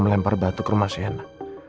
melempar batu ke rumah sienna